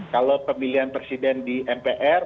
kalau pemilihan presiden di mpr